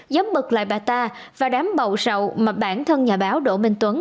giấm bực lại bà ta và đám bầu sầu mà bản thân nhà báo đỗ minh tuấn